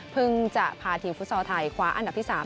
จะพาทีมฟุตซอลไทยคว้าอันดับที่๓